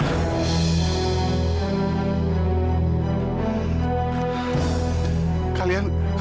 kalian kalian siapa